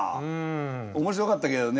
面白かったけどね。